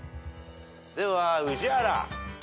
では宇治原。